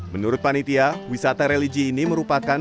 menurut panitia wisata religi ini merupakan